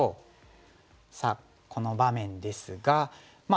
さあこの場面ですが。